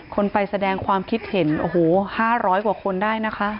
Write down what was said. คนไปแสดงความคิดเห็นโอ้โห๕๐๐กว่าคนได้นะคะ